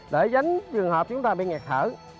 để giánh trường hợp chúng ta bị nghẹt thở